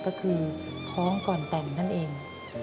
ก็คือท้องก่อนแต่งนั่นเอง